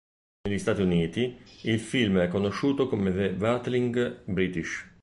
Negli Stati Uniti, il film è conosciuto come "The Battling British".